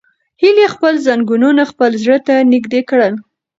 هیلې خپل زنګونونه خپل زړه ته نږدې کړل.